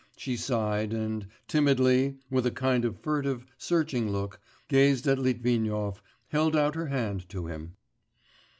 She sighed, and timidly, with a kind of furtive, searching look, gazed at Litvinov, held out her hand to him....